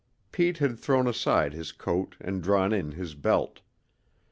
Pete had thrown aside his coat and drawn in his belt.